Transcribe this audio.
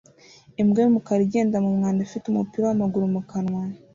Imbwa y'umukara igenda mu mwanda ifite umupira w'amaguru mu kanwa